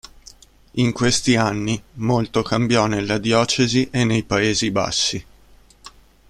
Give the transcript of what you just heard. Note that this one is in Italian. In questi anni molto cambiò nella diocesi e nei Paesi Bassi.